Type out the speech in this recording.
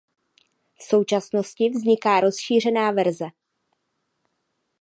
V současnosti vzniká rozšířená verze.